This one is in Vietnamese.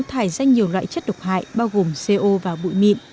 nhiều loại chất độc hại bao gồm co và bụi mịn